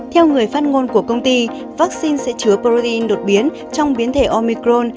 theo người phát ngôn của công ty vaccine sẽ chứa proin đột biến trong biến thể omicron